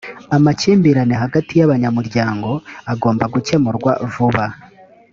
amakimbirane hagati y abanyamuryango agomba gukemurwa vuba